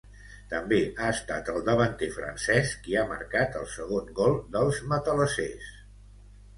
També ha estat el davanter francès qui ha marcat el segon gol dels matalassers.